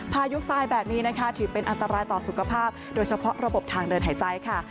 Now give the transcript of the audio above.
พายุทรายแบบนี้นะคะถือเป็นอันตรายต่อสุขภาพโดยเฉพาะระบบทางเดินหายใจค่ะ